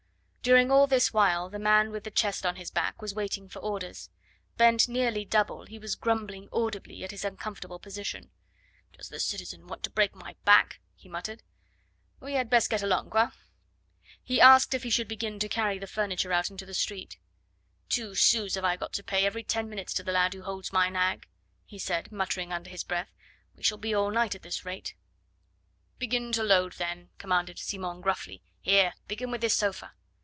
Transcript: During all this while the man with the chest on his back was waiting for orders. Bent nearly double, he was grumbling audibly at his uncomfortable position. "Does the citizen want to break my back?" he muttered. "We had best get along quoi?" He asked if he should begin to carry the furniture out into the street. "Two sous have I got to pay every ten minutes to the lad who holds my nag," he said, muttering under his breath; "we shall be all night at this rate." "Begin to load then," commanded Simon gruffly. "Here! begin with this sofa."